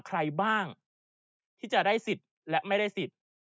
ใครบ้างที่จะได้สิทธิ์และไม่ได้สิทธิ์